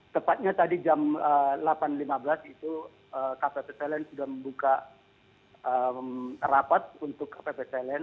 tepatnya tadi jam delapan lima belas itu kpptln sudah membuka rapat untuk kpptln